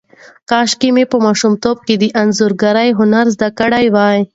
کاشکې ما په ماشومتوب کې د انځورګرۍ هنر زده کړی وای.